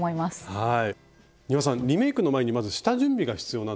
はい。